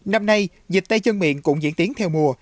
năm nay dịch tay chân miệng cũng diễn tiến theo mùa